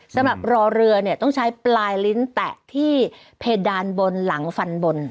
สำหรับรอเรือเนี่ยต้องใช้ปลายลิ้นแตะที่เพดานบนหลังฟันบน